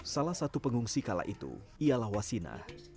salah satu pengungsi kala itu ialah wasina